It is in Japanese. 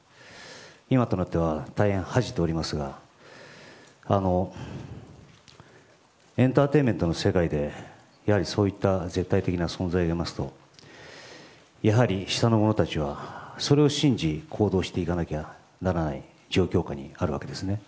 今となっては大変恥じておりますがエンターテインメントの世界でやはりそういった絶対的な存在でありますとやはり下の者たちはそれを信じ行動していかなければならない状況下にあるわけですね。